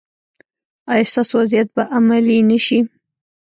ایا ستاسو وصیت به عملي نه شي؟